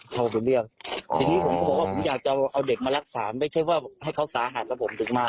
โทรไปเรียกทีนี้ผมบอกว่าผมอยากจะเอาเด็กมารักษาไม่ใช่ว่าให้เขาสาหัสแล้วผมถึงมา